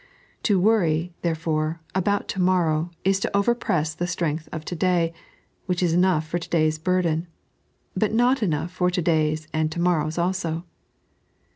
To worry, therefore, about to morrow is to overpress the strength of to day, which is enough for to day's burden, but not enough for to day's and to morrow's also.